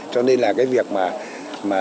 cho nên là cái việc mà